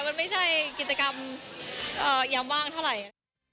มันไม่ใช่กิจกรรมยามว่างเท่าไหร่